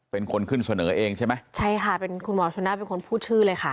เป็นคนขึ้นเสนอเองใช่ไหมใช่ค่ะเป็นคุณหมอชนะเป็นคนพูดชื่อเลยค่ะ